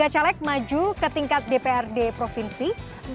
dua puluh tiga caleg maju ke tingkat dprd provinsi